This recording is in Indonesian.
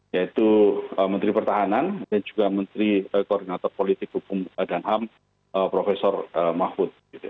yaitu menteri pertahanan dan juga menteri koordinator politik hukum dan ham prof mahfud